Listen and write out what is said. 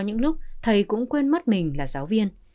những lúc thầy cũng quên mất mình là giáo viên